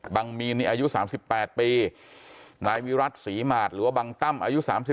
บางมีนนี่อายุ๓๘ปีนายวิรัติศรีหมาดหรือว่าบังตั้มอายุ๓๒